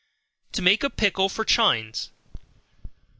To Make a Pickle for Chines.